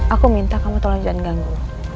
aku minta kamu tolong jangan ganggu